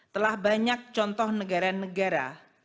telah banyak contoh negara negara